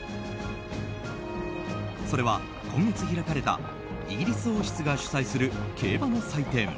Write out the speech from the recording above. それは今月、開かれたイギリス王室が主催する競馬の祭典